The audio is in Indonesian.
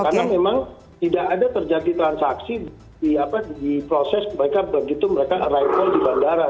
karena memang tidak ada terjadi transaksi di proses mereka begitu mereka arrival di bandara